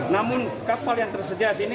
namun kapal yang tersedia di sini